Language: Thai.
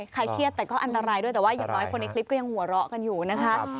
เครียดแต่ก็อันตรายด้วยแต่ว่าอย่างน้อยคนในคลิปก็ยังหัวเราะกันอยู่นะคะ